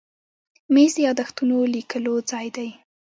مېز د یاداښتونو لیکلو ځای دی.